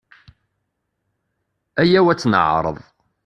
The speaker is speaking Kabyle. Ayaw ad tt-neƐreḍ.